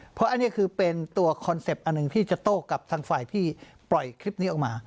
เพราะอันนี้คือเป็นตัวคอนเซ็ปต์อันหนึ่งที่จะโต้กับทางฝ่ายพี่ปล่อยคลิปนี้ออกมา